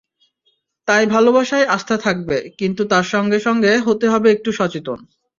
তাই ভালোবাসায় আস্থা থাকবে, কিন্তু তার সঙ্গে সঙ্গে হতে হবে একটু সচেতন।